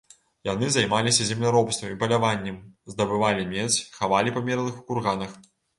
Яны займаліся земляробствам і паляваннем, здабывалі медзь, хавалі памерлых у курганах.